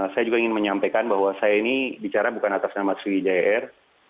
saya juga ingin menyampaikan bahwa saya ini bicara bukan atas nama sriwijaya air